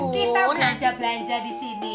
kita belanja belanja di sini